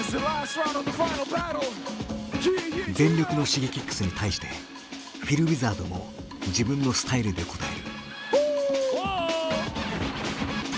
全力のＳｈｉｇｅｋｉｘに対してＰＨＩＬＷＩＺＡＲＤも自分のスタイルで応える。